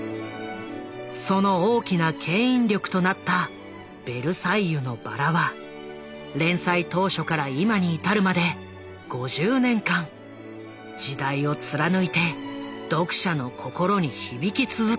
その大きな牽引力となった「ベルサイユのばら」は連載当初から今に至るまで５０年間時代を貫いて読者の心に響き続けている。